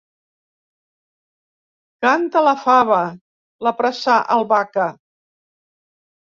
Canta la fava! —l'apressà el Vaca.